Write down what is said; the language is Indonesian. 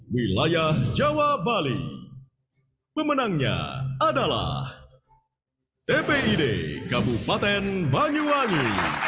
wilayah jawa bali pemenangnya adalah tpid kabupaten banyuwangi